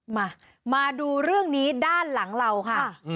มามาดูเรื่องนี้ด้านหลังเราค่ะ